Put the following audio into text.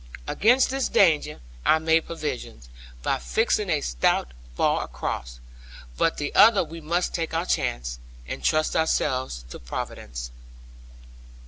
Against this danger I made provision, by fixing a stout bar across; but of the other we must take our chance, and trust ourselves to Providence.